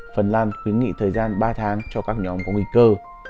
phần lan khuyến nghị thời gian ba tháng cho các nhóm có nguy cơ